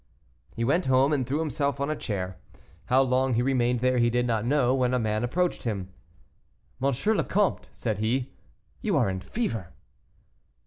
He went home, and threw himself on a chair. How long he remained there he did not know when a man approached him. "M. le Comte," said he, "you are in a fever."